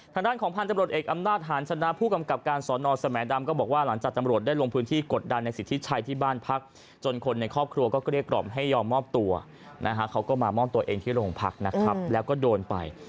ทางด้านของพันธุ์ตำรวจเอกอำนาจหาญชนะผู้กำกับการสอนอสแหมดำก็บอกว่าหลังจากตำรวจได้ลงพื้นที่กดดันในสิทธิชัยที่บ้านพักจนคนในครอบครัวก็เกลี้ยกล่อมให้ยอมมอบตัวนะฮะเขาก็มามอบตัวเองที่โรงพักนะครับแล้วก็โดนไป